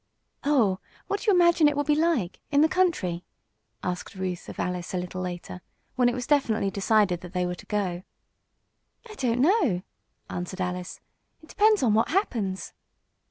"Oh, what do you imagine it will be like in the country?" asked Ruth of Alice, a little later, when it was definitely decided that they were to go. "I don't know," answered Alice. "It depends on what happens."